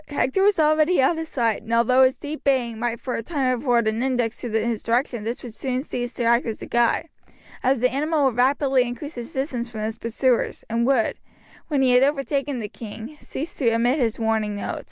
Hector was already out of sight, and although his deep baying might for a time afford an index to his direction this would soon cease to act as a guide, as the animal would rapidly increase his distance from his pursuers, and would, when he had overtaken the king, cease to emit his warning note.